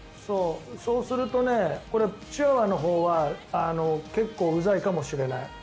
そうするとチワワのほうは結構、うざいかもしれない。